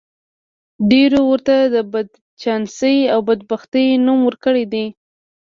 ډېرو ورته د بدچانسۍ او بدبختۍ نوم ورکړی دی.